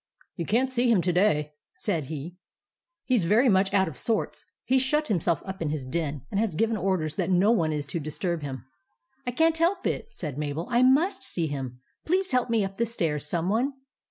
" You can't see him to day," said he. 11 He's very much out of sorts. He's shut himself up in his den, and has given orders that no one is to disturb him." " I can't help it," said Mabel ;" I must see him. Please help me up the stairs, some one."